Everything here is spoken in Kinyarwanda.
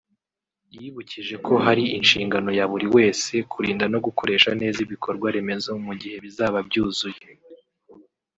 yibukije ko ari inshingano ya buri wese kurinda no gukoresha neza ibikorwa remezo mu gihe bizaba byuzuye